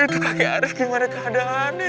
itu kakek arief gimana keadaannya